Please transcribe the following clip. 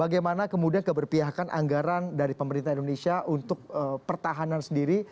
bagaimana kemudian keberpihakan anggaran dari pemerintah indonesia untuk pertahanan sendiri